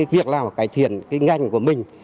việc làm cải thiện ngành của mình